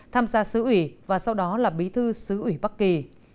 tham gia sứ ủy và sau đó là bí thư xứ ủy bắc kỳ